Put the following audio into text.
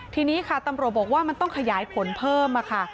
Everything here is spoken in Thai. ทีนี้ค่ะตำรวจบอกว่ามันต้องขยายผลเพิ่มค่ะ